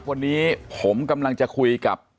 วันนี้ผมกำลังจะคุยกับ